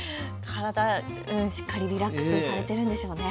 体、しっかりリラックスさせているんでしょうね。